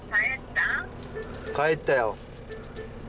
帰ったよ。